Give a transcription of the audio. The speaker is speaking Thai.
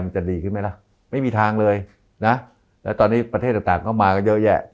จะดีขึ้นไหมล่ะไม่มีทางเลยนะแล้วตอนนี้ประเทศต่างเข้ามาก็เยอะแยะ